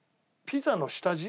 ピザの下地？